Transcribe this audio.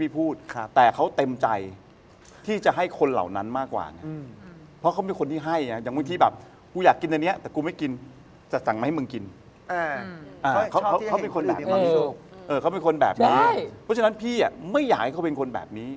เพราะฉะนั้นพี่ไม่อยากให้เขาเป็นคนแบบนี้